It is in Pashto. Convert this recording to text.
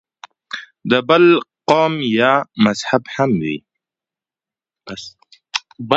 د بل قوم یا مذهب هم وي.